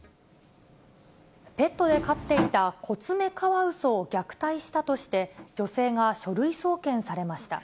ペットで飼っていたコツメカワウソを虐待したとして、女性が書類送検されました。